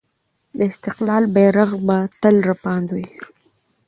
د استقلال بیرغ به تل رپاند وي.